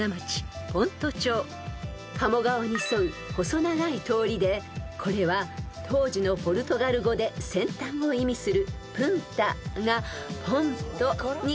［鴨川に沿う細長い通りでこれは当時のポルトガル語で先端を意味する］